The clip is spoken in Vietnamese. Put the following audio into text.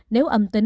nếu âm tính